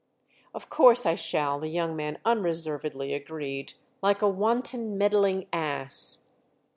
"Of course I shall," the young man unreservedly agreed—"like a wanton meddling ass!"